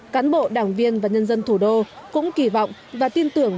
cán bộ đảng viên và nhân dân thủ đô cũng kỳ vọng và tin tưởng